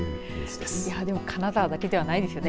でも金沢だけではないですよね。